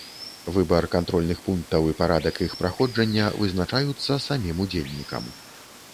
Выбар кантрольных пунктаў і парадак іх праходжання вызначаюцца самім удзельнікам.